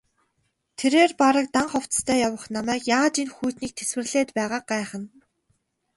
Тэрээр бараг дан хувцастай явах намайг яаж энэ хүйтнийг тэсвэрлээд байгааг гайхна.